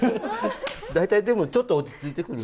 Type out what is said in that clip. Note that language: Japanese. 大体でもちょっと落ち着いてくる。